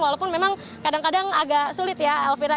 walaupun memang kadang kadang agak sulit ya elvira